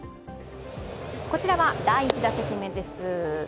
こちらは第１打席目です。